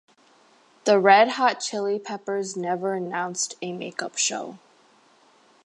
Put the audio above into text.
The Red Hot Chili Peppers never announced a make up show.